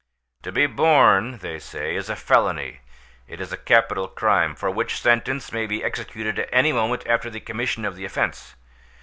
"To be born," they say, "is a felony—it is a capital crime, for which sentence may be executed at any moment after the commission of the offence.